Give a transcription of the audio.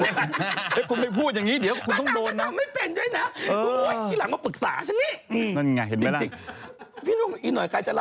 ให้คุณไปพูดอย่างนี้เดี๋ยวคุณต้องโดนนะ